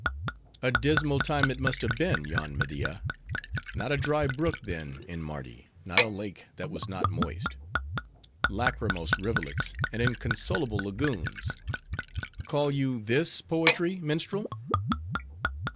"A dismal time it must have been," yawned Media, "not a dry brook then in Mardi, not a lake that was not moist. Lachrymose rivulets, and inconsolable lagoons! Call you this poetry, minstrel?"